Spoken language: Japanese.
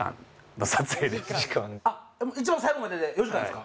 一番最後までで４時間ですか？